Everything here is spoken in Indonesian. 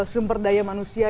sumber daya manusia